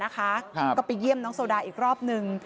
ก็ไปเยี่ยมน้องโซดาอีกรอบนึง